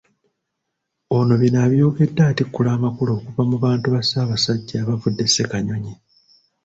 Ono bino abyogedde atikkula Amakula okuva mu bantu ba Ssaabasajja abavudde e Ssekanyonyi